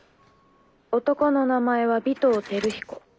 男の名前は尾藤輝彦。